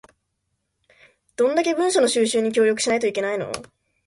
どんだけ文書の収集に協力しないといけないの